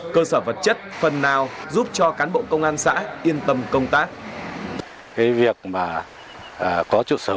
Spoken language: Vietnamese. cơ sở vật chất phần nào giúp cho cán bộ công an xã yên tâm công tác